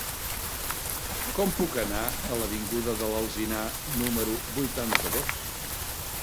Com puc anar a l'avinguda de l'Alzinar número vuitanta-dos?